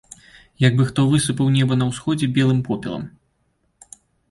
Як бы хто высыпаў неба на ўсходзе белым попелам.